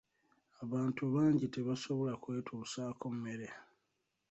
Bantu bangi tebasobola kwetuusaako mmere.